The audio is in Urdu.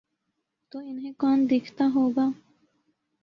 تو انہیں کون دیکھتا ہو گا؟